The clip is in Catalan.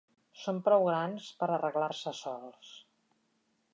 Són prou grans per a arreglar-se sols.